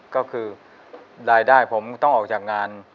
ก็คือรายได้ผมต้องออกจากงาน